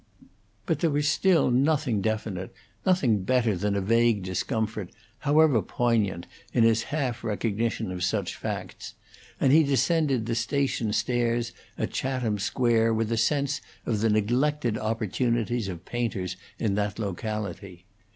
But there was still nothing definite, nothing better than a vague discomfort, however poignant, in his half recognition of such facts; and he descended the station stairs at Chatham Square with a sense of the neglected opportunities of painters in that locality.